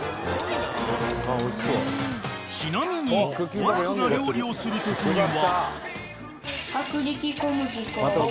［ちなみに和楽が料理をするときには］